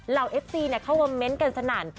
เราเอฟซีเขาเมรมเมนต์กันสนั่น